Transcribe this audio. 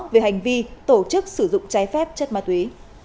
về hành vi tổ chức sử dụng trái phép chất ma túy